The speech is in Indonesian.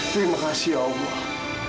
terima kasih ya allah